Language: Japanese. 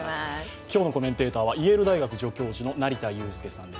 今日のコメンテーターはイェール大学助教授の成田悠輔さんです。